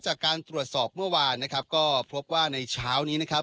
จากการตรวจสอบเมื่อวานนะครับก็พบว่าในเช้านี้นะครับ